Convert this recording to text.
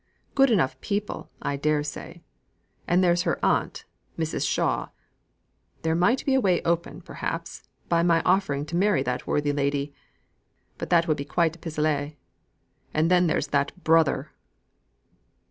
Good enough people, I dare say. And there's her Aunt, Mrs. Shaw. There might be a way open, perhaps, by my offering to marry that worthy lady! but that would be quite a pis aller. And then there's that brother!"